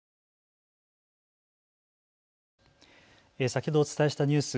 先ほどお伝えしたニュース